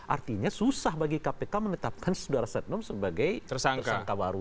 artinya susah bagi kpk menetapkan sudara setnop sebagai tersangka